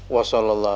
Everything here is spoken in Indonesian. kali itu eh